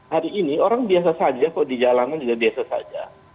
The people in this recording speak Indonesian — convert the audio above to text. hari ini orang biasa saja kok di jalanan juga biasa saja